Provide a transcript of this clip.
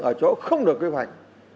ở chỗ không được quy hoạch